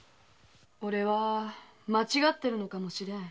俺は間違っているのかもしれん。